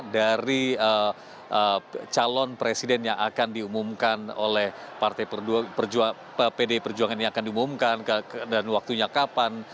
dari calon presiden yang akan diumumkan oleh pdi perjuangan ini akan diumumkan dan waktunya kapan